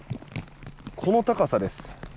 この高さです。